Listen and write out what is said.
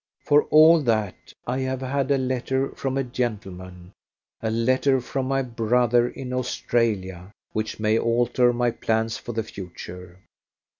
For all that, I have had a letter from a gentleman a letter from my brother in Australia which may alter my plans for the future.